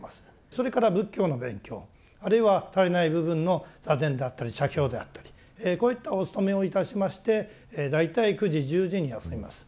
それから仏教の勉強あるいは足りない部分の座禅であったり写経であったりこういったお勤めをいたしまして大体９時１０時に休みます。